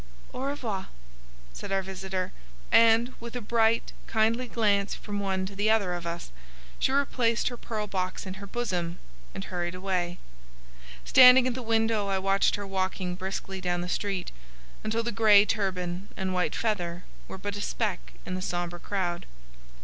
"Au revoir," said our visitor, and, with a bright, kindly glance from one to the other of us, she replaced her pearl box in her bosom and hurried away. Standing at the window, I watched her walking briskly down the street, until the grey turban and white feather were but a speck in the sombre crowd.